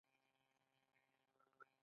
هغوی د صمیمي څپو لاندې د مینې ژورې خبرې وکړې.